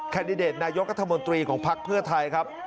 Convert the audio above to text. แคนดิเดตนายกัธมนตรีของพักเพื่อไทยครับ